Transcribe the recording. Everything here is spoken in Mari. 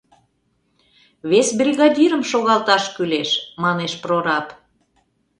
— Вес бригадирым шогалташ кӱлеш, — манеш прораб.